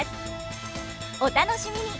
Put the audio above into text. お楽しみに！